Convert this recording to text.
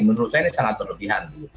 menurut saya ini sangat berlebihan